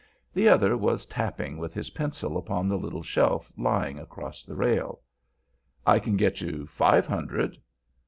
The other was tapping with his pencil upon the little shelf lying across the rail. "I can get you five hundred."